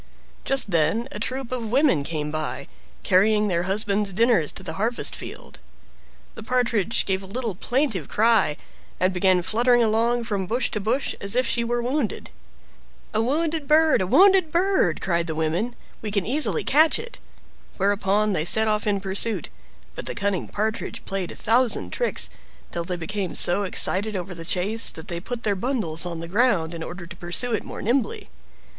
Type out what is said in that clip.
Just then a troop of women came by, carrying their husbands dinners to the harvest field. The Partridge gave a little plaintive cry, and began fluttering along from bush to bush as if she were wounded. "A wounded bird! a wounded bird!" cried the women; "we can easily catch it." Whereupon they set off in pursuit, but the cunning Partridge played a thousand tricks, till they became so excited over the chase that they put their bundles on the ground in order to pursue it more nimbly.